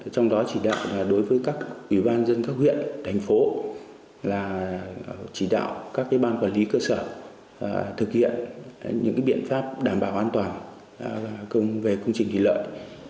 trong đó chỉ đạo đối với các ủy ban dân các huyện thành phố là chỉ đạo các ban quản lý cơ sở thực hiện những biện pháp đảm bảo an toàn về công trình thủy lợi